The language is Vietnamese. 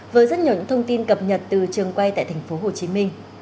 với rất nhiều thông tin cập nhật từ trường quay tại tp hcm